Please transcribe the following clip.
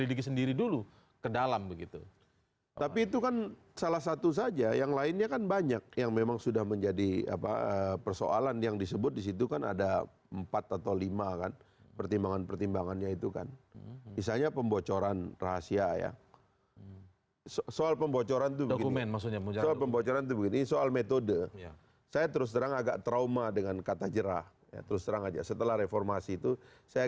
terima kasih pak faris